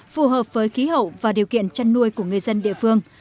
phù hợp với khí hậu và điều kiện chăn nuôi của người dân địa phương